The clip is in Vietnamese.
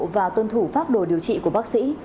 và tuân thủ pháp đồ điều trị của bác sĩ